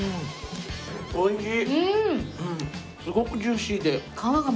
おいしい！